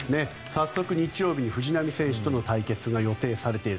早速、日曜日に藤浪選手との対決が予定されている。